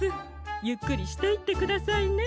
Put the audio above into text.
ゆっくりしていってくださいね。